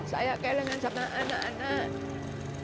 saya bersama anak anak